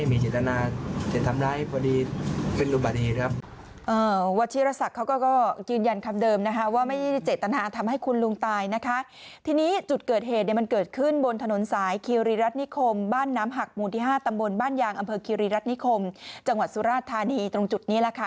วัตรธิรษักเขาก็กินยันคำเดิมนะคะว่าไม่ได้เจรตนาทำให้คุณลุงตายนะคะที่นี้จุดเกิดเหตุมันเกิดขึ้นบนถนนสายคิริรัฐนิครมบ้านน้ำหัก๕ตำบลบ้านยางอำเภอคิริรัฐนิครมจังหวัดสุราชธานีตรงจุดนี้แล้วครับ